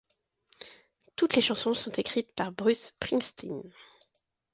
Toutes les chansons sont écrites par Bruce Springsteen.